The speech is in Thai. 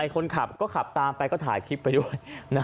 คนขับก็ขับตามไปก็ถ่ายคลิปไปด้วย